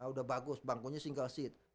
udah bagus bangkunya single seat